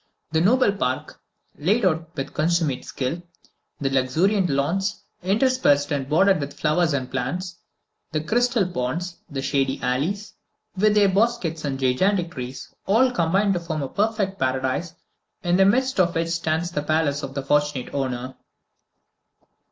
The noble park, laid out with consummate skill, the luxuriant lawns, interspersed and bordered with flowers and plants, the crystal ponds, the shady alleys, with their bosquets and gigantic trees, all combine to form a perfect paradise, in the midst of which stands the palace of the fortunate owner.